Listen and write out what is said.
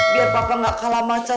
biar papa gak kalah macan